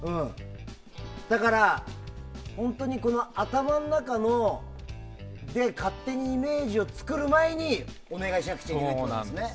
本当に、頭の中で勝手にイメージを作る前にお願いしなくちゃいけないということなんですね。